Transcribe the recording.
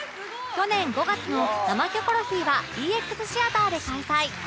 去年５月の生キョコロヒーは ＥＸ シアターで開催